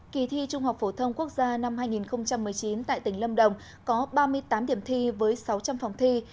kỳ thi trung học phổ thông quốc gia năm hai nghìn một mươi chín tại tỉnh lâm đồng có ba mươi tám điểm thi với sáu trăm linh phòng thi